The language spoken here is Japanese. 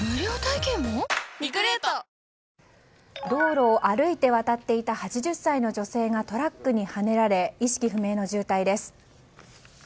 道路を歩いて渡っていた８０歳の女性がトラックにはねられ意識不明の重体です。